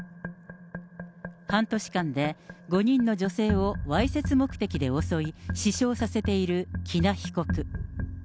半年間で５人の女性をわいせつ目的で襲い、死傷させている喜納被告。